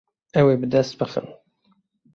Ew ê bi dest bixin.